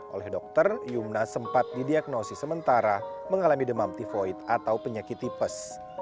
oleh dokter yumna sempat didiagnosis sementara mengalami demam tivoid atau penyakit tipes